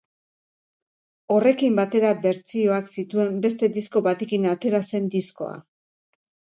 Horrekin batera bertsioak zituen beste disko batekin atera zen diskoa.